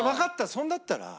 それだったら。